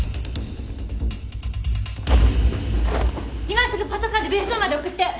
今すぐパトカーで別荘まで送って！